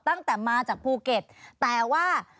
ตั้งแต่มาจากภูเก็ตแต่ว่า